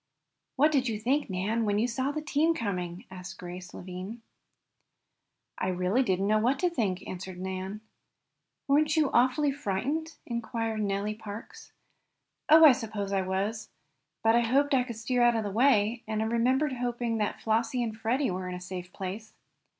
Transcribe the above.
"What did you think, Nan, when you saw the team coming?" asked Grace Lavine. "I really don't know what I did think," answered Nan. "Weren't you awfully frightened?" inquired Nellie Parks. "Oh, I suppose I was. But I hoped I could steer out of the way, and I remember hoping that Flossie and Freddie were in a safe place."